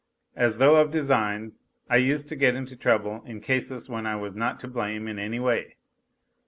As though of design I used to get into trouble in cases when I was not to blame in any way.